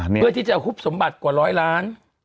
เพื่อที่จะหุบสมบัติกว่าร้อยล้าน